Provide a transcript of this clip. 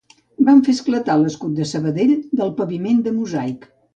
Vam fer esclatar l'escut de Sabadell del paviment de mosaic.